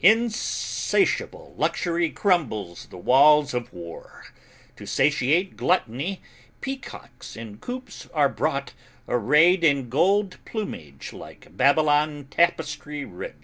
Insatiable luxury crumbles the walls of war; To satiate gluttony, peacocks in coops are brought Arrayed in gold plumage like Babylon tapestry rich.